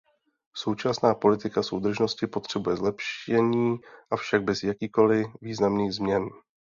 Současná politika soudržnosti potřebuje zlepšení, avšak bez jakýchkoli významných změn.